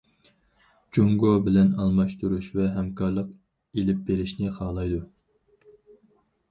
جۇڭگو بىلەن ئالماشتۇرۇش ۋە ھەمكارلىق ئېلىپ بېرىشنى خالايدۇ.